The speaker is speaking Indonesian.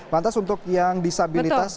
lantas untuk yang disabilitas